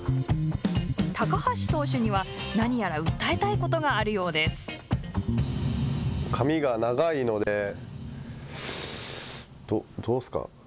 高橋投手には何やら訴えたいことが髪が長いので、どうっすか。